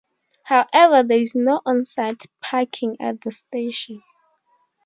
However there is no onsite parking at the station.